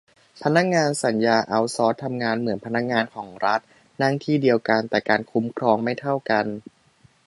พนักงานสัญญาเอาต์ซอร์สทำงานเหมือนพนักงานของรัฐ นั่งที่เดียวกัน แต่การคุ้มครองไม่เท่ากัน